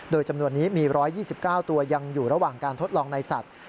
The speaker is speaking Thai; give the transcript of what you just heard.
โดยจำนวนนี้มี๑๒๙ตัวยังอยู่ระหว่างการทดลองในสัตว์